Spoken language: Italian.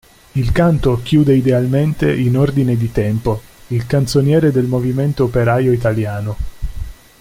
Il canto "chiude idealmente, in ordine di tempo, il canzoniere del movimento operaio italiano".